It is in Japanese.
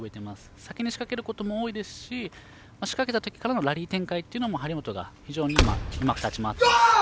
先に仕掛けることも多いですし仕掛けた時からのラリー展開も張本が非常にうまく立ち回っています。